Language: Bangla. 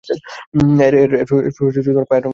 এর পায়ের রঙ কালচে।